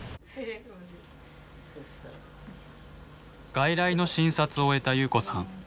外来の診察を終えた夕子さん。